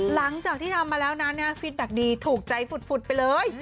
หลังจากที่ทำมาแล้วนะฟิตแบ็คดีถูกใจฝุดไปเลย